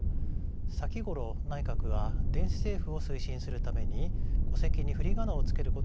先ごろ内閣は電子政府を推進するために戸籍に振り仮名を付けることを決めました。